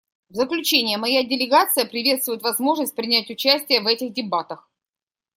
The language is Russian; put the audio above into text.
В заключение моя делегация приветствует возможность принять участие в этих дебатах.